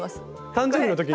誕生日の時の。